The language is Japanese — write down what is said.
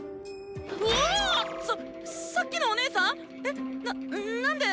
うわぁ⁉さっさっきのお姉さん⁉えっな何で。